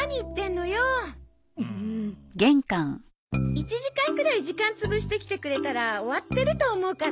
１時間くらい時間潰してきてくれたら終わってると思うから。